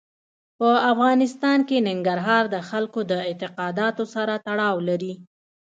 په افغانستان کې ننګرهار د خلکو د اعتقاداتو سره تړاو لري.